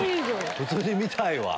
普通に見たいわ！